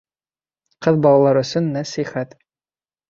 ҠЫҘ БАЛАЛАР ӨСӨН НӘСИХӘТ